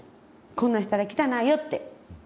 「こんなんしたら汚いよ」って。